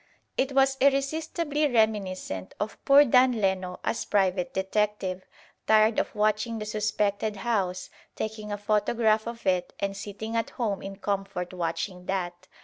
It was irresistibly reminiscent of poor Dan Leno as private detective, tired of watching the suspected house, taking a photograph of it and sitting at home in comfort watching that.